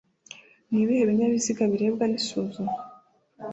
Nibihe binyabiziga birebwa n’isuzumwa